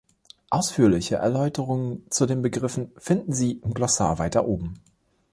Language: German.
Ausführliche Erläuterungen zu den Begriffen finden Sie im Glossar weiter oben.